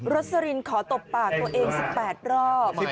สลินขอตบปากตัวเอง๑๘รอบ